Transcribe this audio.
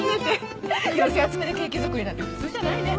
寄せ集めでケーキ作りなんて普通じゃないね。